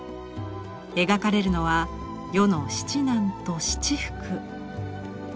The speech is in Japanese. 描かれるのは世の七難と七福。